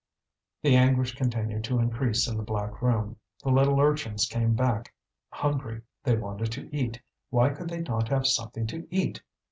The anguish continued to increase in the black room. The little urchins came back hungry, they wanted to eat; why could they not have something to eat?